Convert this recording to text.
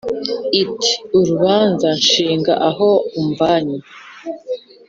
iti : urubanza nshinga aho umvanye